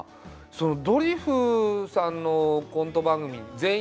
ドリフさんのコント番組